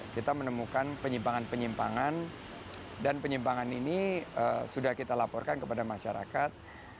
kita menemukan penyimpangan penyimpangan dan penyimpangan ini sudah kita laporkan kepada masyarakat